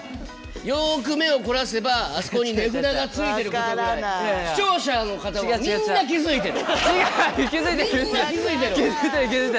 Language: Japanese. よく目を凝らせばあそこに値札がついていることぐらいみんな気づいてる。